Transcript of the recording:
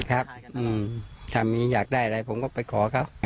ครับสำหรับอยากได้อะไรผมก็ไปขอครับ